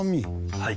はい。